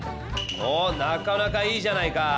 おなかなかいいじゃないか！